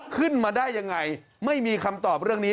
ขึ้นมาได้ยังไงไม่มีคำตอบเรื่องนี้